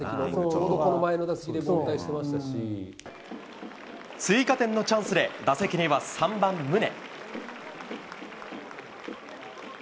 ちょうど、追加点のチャンスで、打席には３番宗。